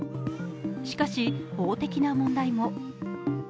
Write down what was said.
しかし法的な問題も。